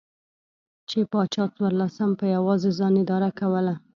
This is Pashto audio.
چې پاچا څوارلسم په یوازې ځان اداره کوله.